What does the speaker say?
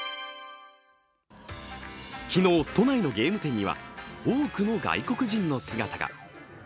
昨日、都内のゲーム店には多くの外国人の姿が。